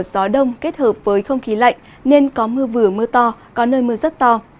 gió đông kết hợp với không khí lạnh nên có mưa vừa mưa to có nơi mưa rất to